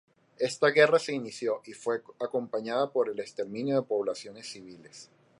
Esta guerra se inició y fue acompañada por el exterminio de poblaciones civiles.